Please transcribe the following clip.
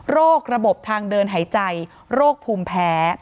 โรคระบบทางเดินหายใจโรคภูมิแพ้